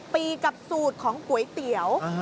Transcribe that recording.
ปีกับสูตรของก๋วยเตี๋ยว